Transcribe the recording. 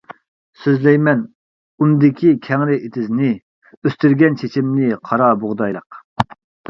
سۆزلەيمەن ئۇندىكى كەڭرى ئېتىزنى، ئۆستۈرگەن چېچىمنى قارا بۇغدايلىق.